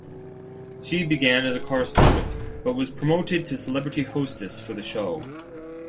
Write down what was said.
She began as a correspondent, but was promoted to celebrity hostess for the show.